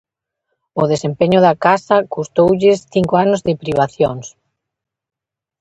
O desempeño da casa custoulles cinco anos de privacións.